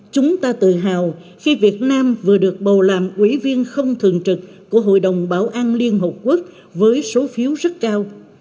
chúng ta tự hào khi việt nam vừa được bầu làm ủy viên không thường trực của hội đồng bảo an liên hợp quốc với số phiếu rất cao